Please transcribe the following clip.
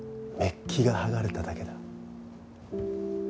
メッキが剥がれただけだ。